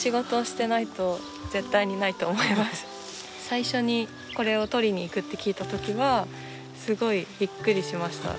最初にこれを採りに行くって聞いたときはすごくびっくりしました。